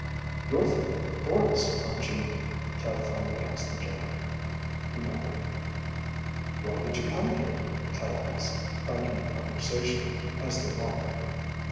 "You're from the forest, aren't you?" Tel finally asked the giant. He nodded. "Why did you come here?" Tel asked, trying to make conversation as they walked.